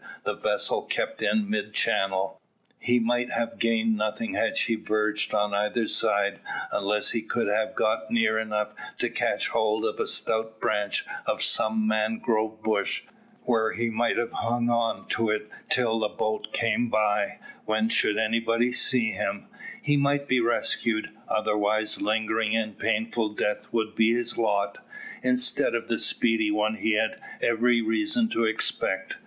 The vessel kept in mid channel. He might have gained nothing had she verged on either side, unless he could have got near enough to catch hold of a stout branch of some mangrove bush, where he might have hung on to it till the boat came by, when, should anybody see him, he might be rescued, otherwise a lingering and painful death would be his lot, instead of the speedy one he had every reason to expect.